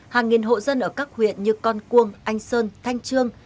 hàng nghìn hộ dân ở các huyện như con cuông anh sơn thanh trương